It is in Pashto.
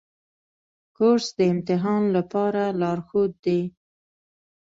کورس د امتحان لپاره لارښود دی.